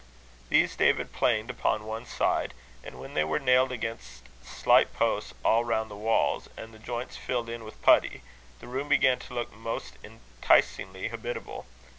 These David planed upon one side; and when they were nailed against slight posts all round the walls, and the joints filled in with putty, the room began to look most enticingly habitable.